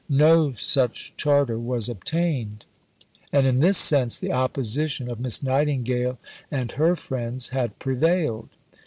No such Charter was obtained; and in this sense the opposition of Miss Nightingale and her friends had prevailed.